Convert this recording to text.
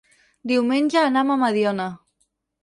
Diumenge anam a Mediona.